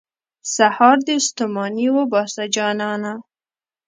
سهار دې ستوماني وباسه، جانانه.